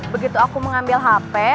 begitu aku mengambil hp